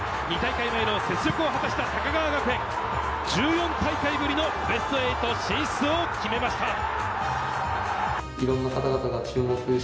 ２大会ぶりの雪辱を果たした高川学園、１４大会ぶりのベスト８進出を決めました。